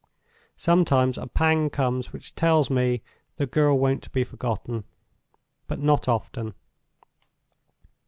Sometimes a pang comes which tells me the girl won't be forgotten—but not often.